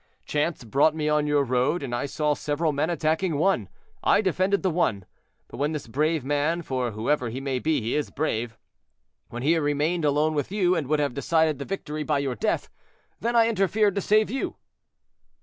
Chance brought me on your road, and I saw several men attacking one; I defended the one, but when this brave man—for whoever he may be, he is brave—when he remained alone with you, and would have decided the victory by your death, then I interfered to save you."